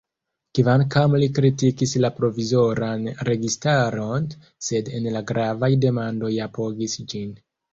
Kvankam li kritikis la provizoran registaron, sed en la gravaj demandoj apogis ĝin.